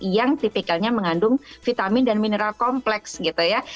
yang tipikalnya mengandung vitamin dan mineral kompleks gitu ya